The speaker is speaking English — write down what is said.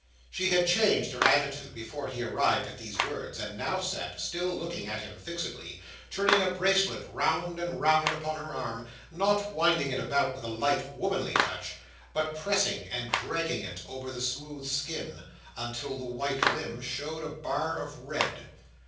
She had changed her attitude before he arrived at these words, and now sat—still looking at him fixedly—turning a bracelet round and round upon her arm; not winding it about with a light, womanly touch, but pressing and dragging it over the smooth skin, until the white limb showed a bar of red.